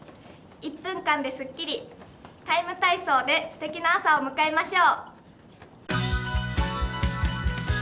１分間ですっきり「ＴＩＭＥ，体操」ですてきな朝を迎えましょう。